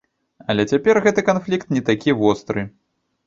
Але цяпер гэты канфлікт не такі востры.